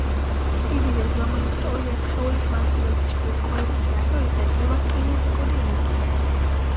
სიდიდეს, რომელიც ტოლია სხეულის მასისა და სიჩქარის კვადრატის ნახევრისა, ეწოდება კინეტიკური ენერგია.